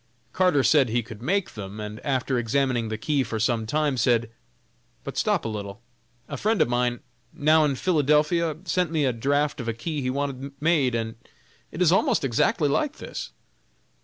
Carter said he could make them, and after examining the key for some time, said: "But stop a little; a friend of mine, now in Philadelphia, sent me a draft of a key he wanted made, and it is almost exactly like this!"